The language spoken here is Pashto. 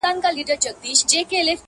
وايی خوب د لېونو دی -